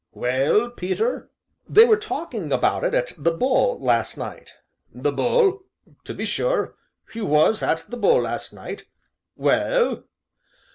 "Well, Peter?" "They were talking about it at 'The Bull' last night " "'The Bull' to be sure you was at 'The Bull' last night well?"